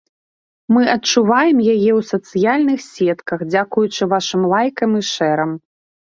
Мы адчуваем яе ў сацыяльных сетках, дзякуючы вашым лайкам і шэрам.